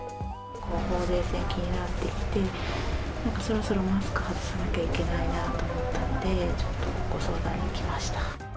ほうれい線が気になってきて、なんかそろそろ、マスク外さなきゃいけないなと思ったんで、ちょっとご相談に来ま